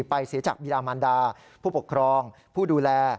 ไปเสียจากบิดามันดาผู้ปกครองผู้ดูแล